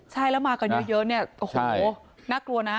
ใช่แล้วมากันเยอะเนี่ยโอ้โหน่ากลัวนะ